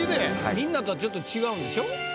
みんなとはちょっと違うんでしょ？